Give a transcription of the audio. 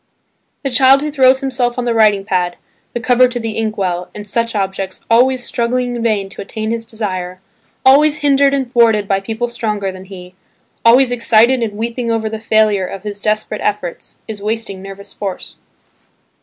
The child who throws himself on the writing pad, the cover to the ink well, and such objects, always struggling in vain to attain his desire, always hindered and thwarted by people stronger than he, always excited and weeping over the failure of his desperate efforts, is wasting nervous force.